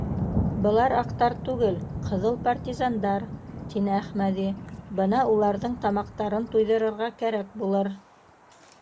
— Былар аҡтар түгел, ҡыҙыл партизандар, — тине Әхмәҙи, — бына уларҙың тамаҡтарын туйҙырырға кәрәк булыр.